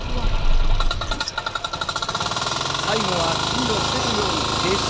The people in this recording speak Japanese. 最後は進路を防ぐように停止。